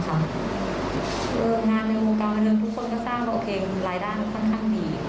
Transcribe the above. งานในโครงการแบบนั้นทุกคนก็แสดงว่าโอเครายด้านมันค่อนข้างดี